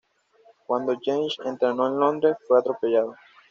Cuando James entró en Londres, fue atropellado.